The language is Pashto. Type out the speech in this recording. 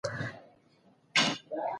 فیفا د نړیوال جام لپاره لوړه جایزه ټاکلې ده.